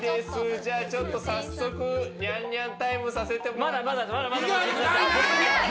じゃあちょっと早速ニャンニャンタイムさせていただきます！